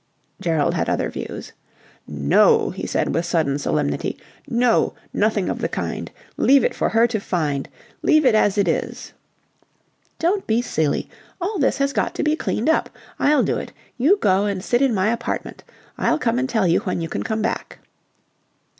Gerald had other views. "No," he said with sudden solemnity. "No! Nothing of the kind. Leave it for her to find. Leave it as it is." "Don't be silly. All this has got to be cleaned up. I'll do it. You go and sit in my apartment. I'll come and tell you when you can come back."